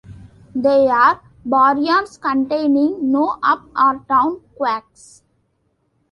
They are baryons containing no up or down quarks.